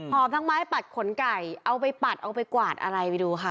ทั้งไม้ปัดขนไก่เอาไปปัดเอาไปกวาดอะไรไปดูค่ะ